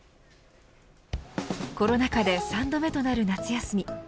コロナ禍で３度目となる夏休み。